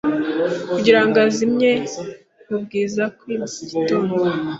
Kugira ngo azimye nkubwiza bwigitondo